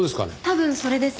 多分それです。